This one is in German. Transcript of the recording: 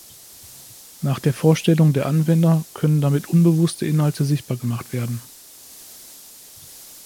Nach der Vorstellung der Anwender können damit unbewusste Inhalte sichtbar gemacht werden.